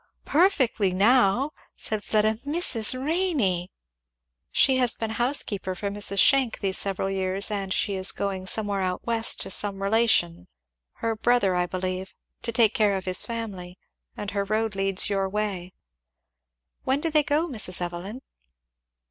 "Perfectly, now," said Fleda. "Mrs. Renney! " "She has been housekeeper for Mrs. Schenck these several years, and she is going somewhere out West to some relation, her brother, I believe, to take care of his family; and her road leads her your way." "When do they go, Mrs. Evelyn?"